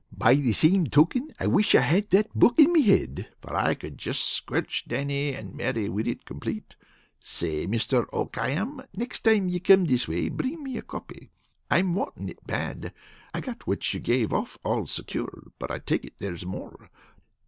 By the same token, I wish I had that book in me head, for I could just squelch Dannie and Mary with it complate. Say, Mister O'Khayam, next time you come this way bring me a copy. I'm wantin' it bad. I got what you gave off all secure, but I take it there's more.